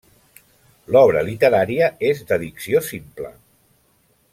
L'obra literària és de dicció simple.